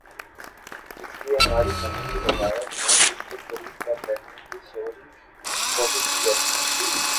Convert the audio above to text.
اس لیے ہماری مذہبی روایت میں اس سے قریب تر رہنے کی شعوری کوشش کی جاتی ہے۔